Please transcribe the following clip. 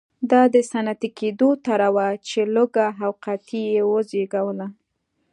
دا د صنعتي کېدو طرحه وه چې لوږه او قحطي یې وزېږوله.